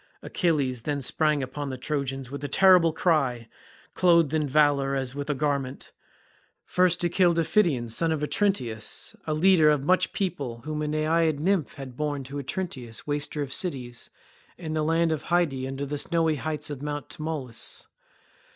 Achilles then sprang upon the Trojans with a terrible cry, clothed in valour as with a garment. First he killed Iphition son of Otrynteus, a leader of much people whom a naiad nymph had borne to Otrynteus waster of cities, in the land of Hyde under the snowy heights of Mt. Tmolus.